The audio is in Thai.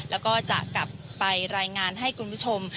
แล้วก็จะกลับไปรายงานให้คุณผู้ชม